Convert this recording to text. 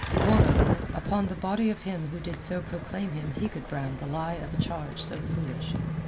Moreover, upon the body of him who did so proclaim him he could brand the lie of a charge so foolish.